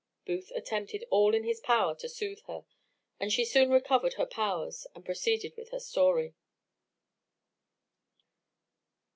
Booth attempted all in his power to soothe her; and she soon recovered her powers, and proceeded in her story.